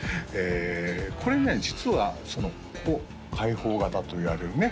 これね実はここ開放型といわれるね